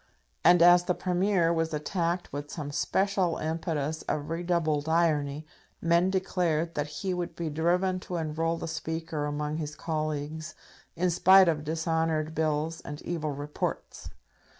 And as the Premier was attacked with some special impetus of redoubled irony, men declared that he would be driven to enrol the speaker among his colleagues, in spite of dishonoured bills and evil reports.